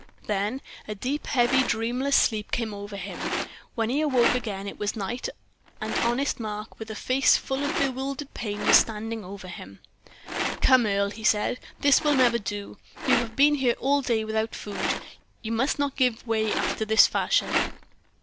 Then a deep, heavy, dreamless sleep came over him. When he woke again it was night and honest Mark, with a face full of bewildered pain, was standing over him. "Come, Earle," he said, "this will never do; you have been here all day without food. You must not give way after this fashion."